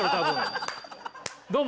「どうも！